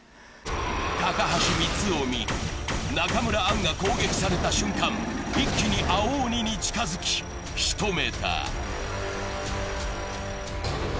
高橋光臣、中村アンが攻撃された瞬間一気に青鬼に近づき、仕留めた。